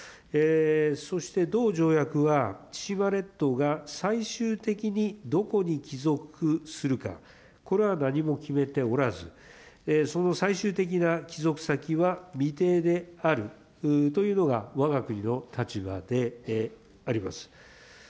そして、同条約は千島列島が最終的にどこに帰属するか、これは何も決めておらず、その最終的な帰属先は未定であるというのがわが国の立場であります。